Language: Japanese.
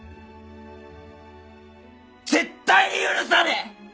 絶対に許さねえ‼